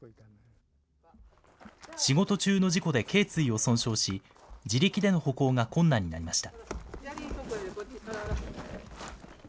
仕事中の事故でけい椎を損傷し、自力での歩行が困難になりました。